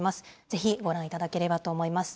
ぜひご覧いただければと思います。